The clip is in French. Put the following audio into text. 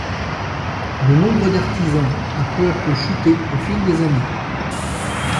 Le nombre d'artisans a peu à peu chuté au fil des années.